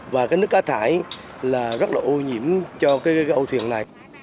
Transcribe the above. và cái nước cá thải là rất là ô nhiễm cho cái ô thuyền này